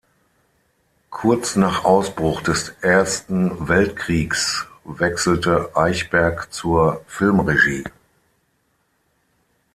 Kurz nach Ausbruch des Ersten Weltkriegs wechselte Eichberg zur Filmregie.